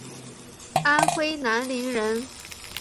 安徽南陵人。